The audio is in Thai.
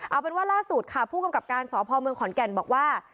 เอาเป็นว่าล่าสุดค่ะผู้กำกับการสพเมืองขอนแก่นบอกว่า